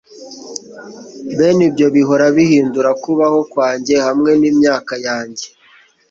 Bene ibyo bihora bihindura kubaho kwanjye hamwe nimyaka yanjye